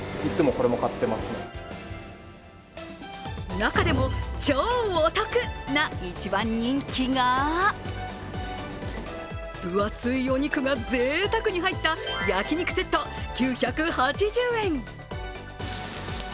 中でも超お得な一番人気が分厚いお肉がぜいたくに入った焼肉セット９８０円。